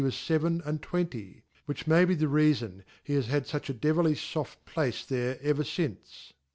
wasfeven and twen ty ; which may be the reafar he his 4tad fuch a devilijh foft place there everfwte.